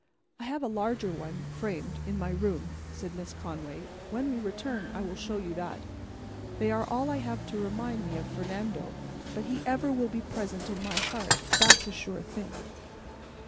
"I have a larger one, framed, in my room," said Miss Conway. "When we return I will show you that. They are all I have to remind me of Fernando. But he ever will be present in my heart, that's a sure thing."